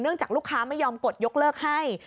จากลูกค้าไม่ยอมกดยกเลิกให้